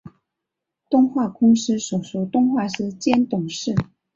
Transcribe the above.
动画公司所属动画师兼董事。